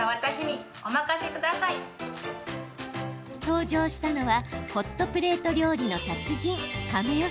登場したのはホットプレート料理の達人